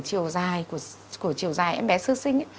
chiều dài của chiều dài em bé sơ sinh